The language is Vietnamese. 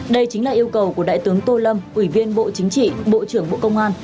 đây chính là yêu cầu của đại tướng tô lâm ủy viên bộ chính trị bộ trưởng bộ công an